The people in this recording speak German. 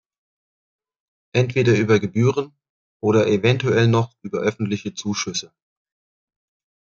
Entweder über Gebühren oder eventuell noch über öffentliche Zuschüsse.